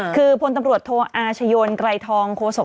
คือพตรโทอาชโยนไกรทองโคศก